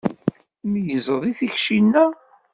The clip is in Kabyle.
Tmeyyzeḍ i tikci-nneɣ?